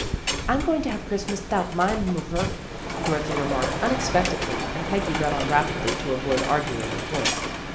" I'm going to have a Christmas 'thout my mover," Dorothy remarked unexpectedly, and Peggy read on rapidly to avoid arguing the point.